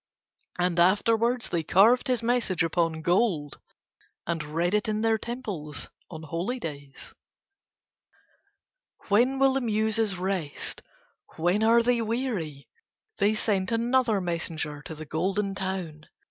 And afterwards they carved his message upon gold; and read it in their temples on holy days. When will the Muses rest? When are they weary? They sent another messenger to the Golden Town.